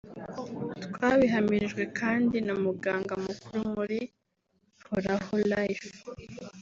twabihamirijwe kandi na muganga mukuru muri Horaho Life